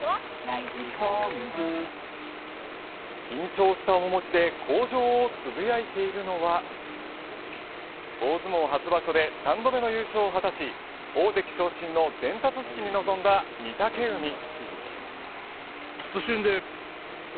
緊張した面もちで口上をつぶやいているのは大相撲初場所で３度目の優勝を果たし大関昇進の伝達式に臨んだ御嶽海。